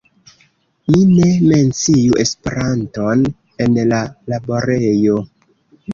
Mi ne menciu Esperanton en la laborejo.